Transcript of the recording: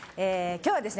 今日はですね